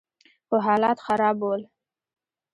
خو حالات خراب ول.